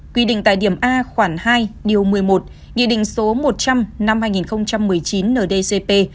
quy định tại điểm a khoảng hai điều một mươi một nghị định số một trăm linh năm hai nghìn một mươi chín ndcp